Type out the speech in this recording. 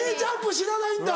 知らないんだ！